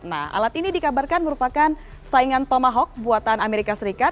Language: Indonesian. nah alat ini dikabarkan merupakan saingan tomahok buatan amerika serikat